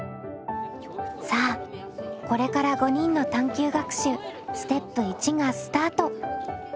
さあこれから５人の探究学習ステップ１がスタート！